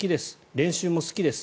練習も好きです